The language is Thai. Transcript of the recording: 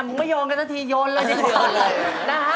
มึงไม่โยงกันสักทีโยนเลย